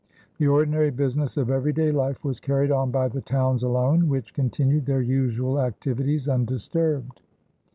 The ordinary business of everyday life was carried on by the towns alone, which continued their usual activities undisturbed.